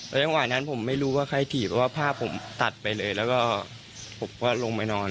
ในเวลานั้นผมไม่รู้ว่าใครถีบว่าผ้าผมตัดไปเลยแล้วก็ผมก็ลงไปนอน